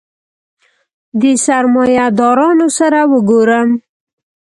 د سرمایه دارانو سره وګورم.